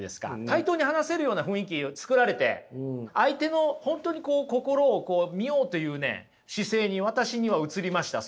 対等に話せるような雰囲気作られて相手の本当に心を見ようという姿勢に私には映りました。